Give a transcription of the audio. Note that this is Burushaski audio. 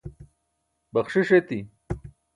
baxṣiṣ eti